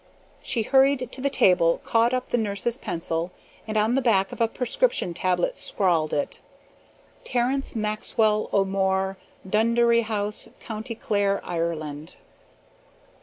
She hurried to the table, caught up the nurse's pencil, and on the back of a prescription tablet scrawled it: "Terence Maxwell O'More, Dunderry House, County Clare, Ireland."